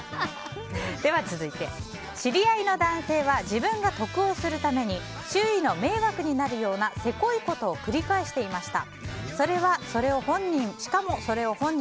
続いて、知り合いの男性は自分が得をするために周囲の迷惑になるようなせこいことを繰り返していました。